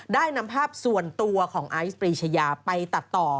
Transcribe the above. ได้นำภาพส่วนตัวของไอซ์ปรีชยาไปตัดต่อ